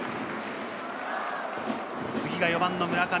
次が４番の村上。